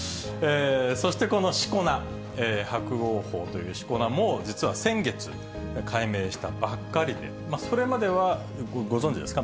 そしてこのしこ名、伯桜鵬というしこ名も、実は先月、改名したばっかりで、それまでは、ご存じですか？